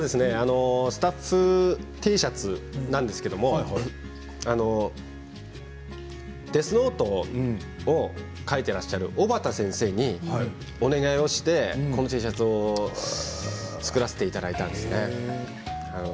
スタッフＴシャツなんですけれど「デスノート」を描いていらっしゃる小畑先生にお願いして、このＴシャツを作らせていただいたんですね。